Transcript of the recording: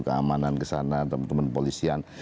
keamanan kesana teman teman polisian